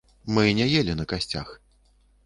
Мы не елі на касцях.